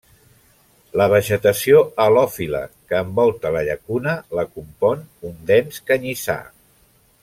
La vegetació halòfila que envolta la llacuna la compon un dens canyissar.